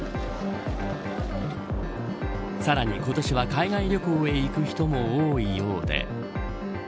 さらに今年は海外旅行へ行く人も多いようで。